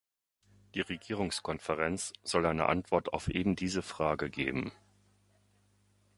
Die Regierungskonferenz soll eine Antwort auf ebendiese Frage geben.